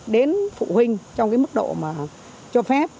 đến phụ huynh trong cái mức độ mà cho phép